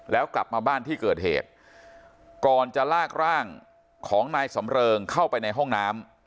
แล้วกลับมาบ้านที่เกิดเหตุก่อนจะลากร่างของนายสำเริงเข้าไปในห้องน้ำ